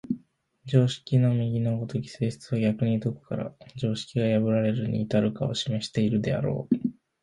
常識の右の如き性質は逆にどこから常識が破られるに至るかを示しているであろう。